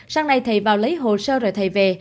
sáng nay thầy vào lấy hồ sơ rồi thầy về